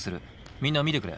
みんな見てくれ。